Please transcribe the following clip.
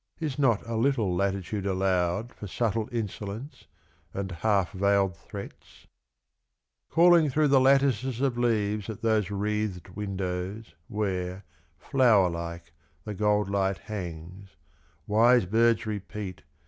Is not a little latitude allowed For subtle insolence, and half veiled threats ? Calling through the lattices of leaves At those wreathed windows Where, flower like, the gold light hangs, Wise birds repeat.